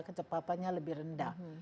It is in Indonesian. kecepatannya lebih rendah